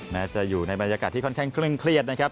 จะอยู่ในบรรยากาศที่ค่อนข้างเคร่งเครียดนะครับ